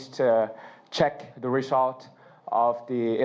ที่จะเห็นแรกที่ให้ดู